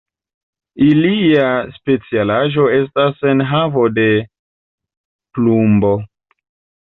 Ilia specialaĵo estas enhavo de plumbo.